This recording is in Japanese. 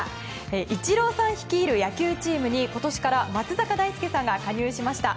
イチローさん率いる野球チームに今年から、松坂大輔さんが加入しました。